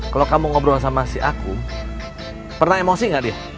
kalau kamu ngobrol sama si aku pernah emosi gak dia